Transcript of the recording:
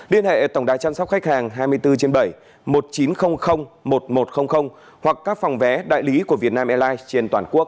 liên hệ tổng đài chăm sóc khách hàng hai mươi bốn trên bảy một nghìn chín trăm linh một nghìn một trăm linh hoặc các phòng vé đại lý của vietnam airlines trên toàn quốc